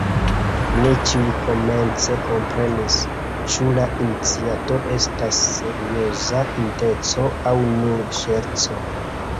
Ne ĉiuj komence komprenis, ĉu la iniciato estas serioza intenco aŭ nur ŝerco.